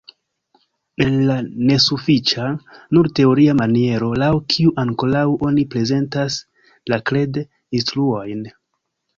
El la nesufiĉa, nur teoria maniero, laŭ kiu ankoraŭ oni prezentas la kred-instruojn!